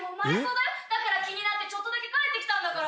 「だから気になってちょっとだけ帰ってきたんだから」